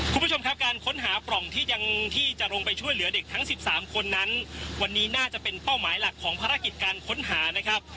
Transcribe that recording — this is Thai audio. คุณผู้ชมครับการค้นหาปล่องที่ยังที่จะลงไปช่วยเหลือเด็กทั้ง๑๓คนนั้นวันนี้น่าจะเป็นเป้าหมายหลักของภารกิจการค้นหานะครับ